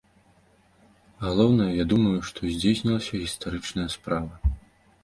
Галоўнае, я думаю, што здзейснілася гістарычная справа.